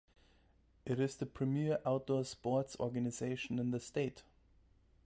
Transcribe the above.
It is the premier outdoor sports organization in the state.